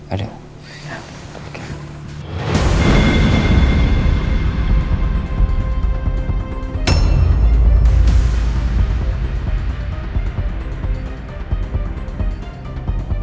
bisa udah boleh nunggu